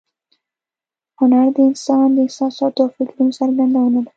هنر د انسان د احساساتو او فکرونو څرګندونه ده